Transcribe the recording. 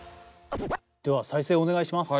では再生お願いします！